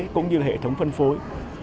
cũng như hệ thống phân phối